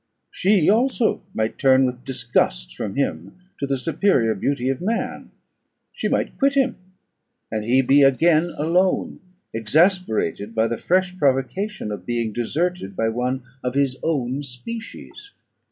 She also might turn with disgust from him to the superior beauty of man; she might quit him, and he be again alone, exasperated by the fresh provocation of being deserted by one of his own species.